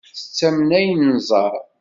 Nettamen ayen nẓerr.